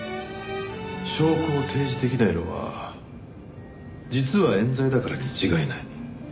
証拠を提示できないのは実は冤罪だからに違いない。